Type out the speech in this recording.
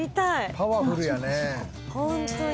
パワフルやね。